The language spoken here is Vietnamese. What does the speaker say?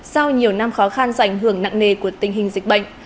sau nhiều năm khó khăn dành hưởng nặng nề của tình hình dịch bệnh